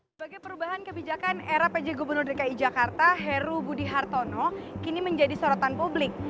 sebagai perubahan kebijakan era pj gubernur dki jakarta heru budi hartono kini menjadi sorotan publik